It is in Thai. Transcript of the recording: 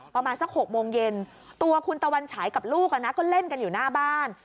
ประมาณสัก๖โมงเย็นตัวคุณตะวันฉายกับลูกก็เล่นกันอยู่หน้าบ้าน